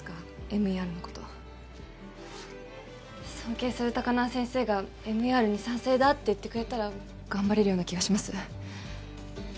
ＭＥＲのこと尊敬する高輪先生がＭＥＲに賛成だって言ってくれたら頑張れるような気がします